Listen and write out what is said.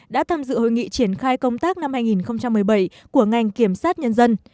đã tham dự hội nghị triển khai công tác năm hai nghìn một mươi bảy của ngành kiểm sát nhân dân